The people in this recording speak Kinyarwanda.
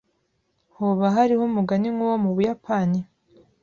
Hoba hariho umugani nk'uwo mu Buyapani?